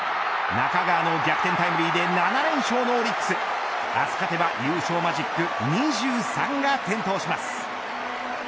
中川の逆転タイムリーで７連勝のオリックス明日勝てば、優勝マジック２３が点灯します。